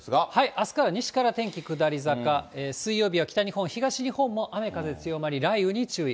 あすから西から天気下り坂、水曜日は北日本、東日本も雨風強まり、雷雨に注意。